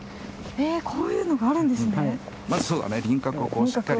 へえこういうのがあるんですね。